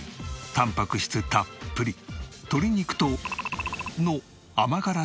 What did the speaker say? たんぱく質たっぷり鶏肉との甘辛照り焼き。